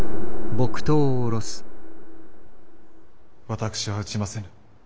私は打ちませぬ。